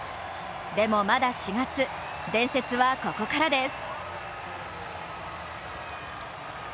でもまだ４月、伝説はここからです。